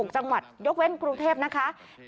๖จังหวัดยกเว้นกรุงเทพนะคะ